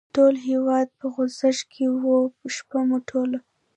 ټول هېواد په خوځښت کې و، شپه مو ټوله.